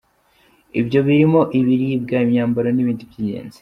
Ibyo birimo ibiribwa, imyambaro n’ibindi by’ingenzi.